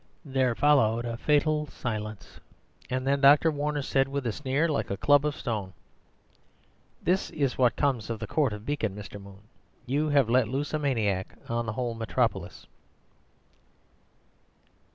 There followed a fatal silence; and then Dr. Warner said, with a sneer like a club of stone,— "This is what comes of the Court of Beacon, Mr. Moon. You have let loose a maniac on the whole metropolis."